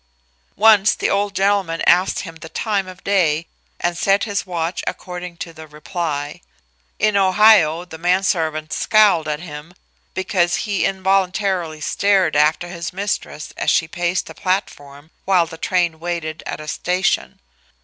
Once the old gentleman asked him the time of day and set his watch according to the reply. In Ohio the manservant scowled at him because he involuntarily stared after his mistress as she paced the platform while the train waited at a station.